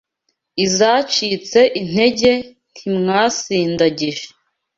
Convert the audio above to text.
Izacitse intege ntimwazisindagije